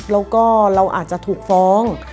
แล้วก็เราอาจจะถูกฟ้อง